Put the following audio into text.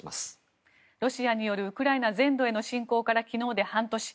ロシアによるウクライナ全土への侵攻から昨日で半年。